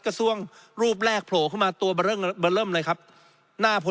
กระรรูปแรกโผล่ขึ้นมาตัวบะเริ่มบะเริ่มเลยครับหน้าผล